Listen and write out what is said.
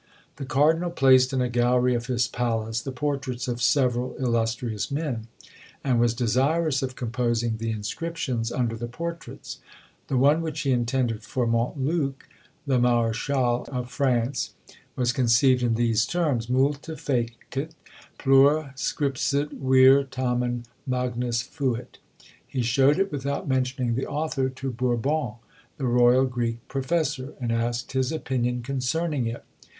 The cardinal placed in a gallery of his palace the portraits of several illustrious men, and was desirous of composing the inscriptions under the portraits. The one which he intended for Montluc, the marechal of France, was conceived in these terms: Multa fecit, plura scripsit, vir tamen magnus fuit. He showed it without mentioning the author to Bourbon, the royal Greek professor, and asked his opinion concerning it.